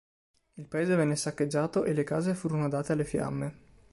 Il paese venne saccheggiato e le case furono date alle fiamme.